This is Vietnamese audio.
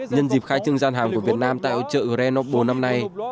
nhân dịp khai trưng gian hàng của việt nam tại hội trợ grenoble năm nay